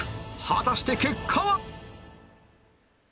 果たして結果は？